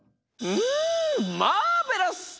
うんマーベラス！